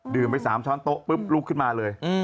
ดื่มไป๓ช้อนตกปุ๊บลุกขึ้นมาเลย